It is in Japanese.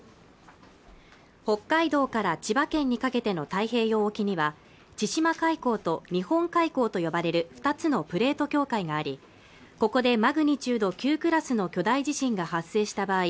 北海道から千葉県にかけての太平洋沖には千島海溝と日本海溝と呼ばれる２つのプレート境界がありここでマグニチュード９クラスの超巨大地震が発生した場合